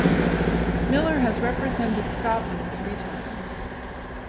Miller has represented Scotland three times.